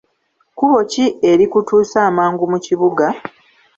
Kkubo ki erikutuusa amangu mu kibuga?